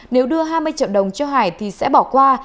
nếu đưa hai mươi triệu đồng cho hải thì sẽ bỏ qua